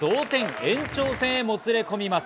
延長戦へもつれこみます。